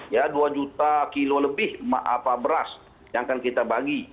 ya dua juta kilo lebih beras yang akan kita bagi